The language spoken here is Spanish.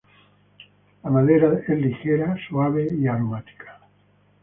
La madera es ligera, suave y aromática.